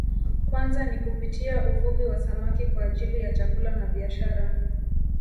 Kwanza ni kupitia uvuvi wa samaki kwa ajili ya chakula na biashara